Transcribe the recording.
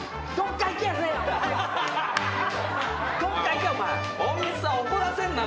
どっか行けお前！